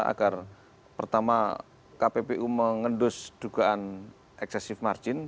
agar pertama kppu mengendus dugaan eksesif margin